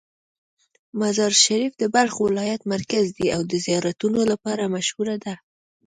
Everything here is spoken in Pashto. مزار شریف د بلخ ولایت مرکز دی او د زیارتونو لپاره مشهوره ده.